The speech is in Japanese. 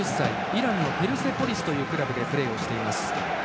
イランのペルセポリスというクラブでプレー。